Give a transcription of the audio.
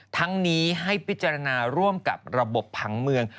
ทั้งนี้ให้พิจารณาร่วมกับระบบผังเมือง